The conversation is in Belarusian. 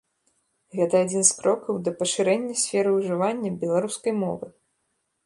Гэта адзін з крокаў да пашырэння сферы ўжывання беларускай мовы.